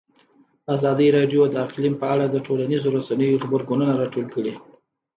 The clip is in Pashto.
ازادي راډیو د اقلیم په اړه د ټولنیزو رسنیو غبرګونونه راټول کړي.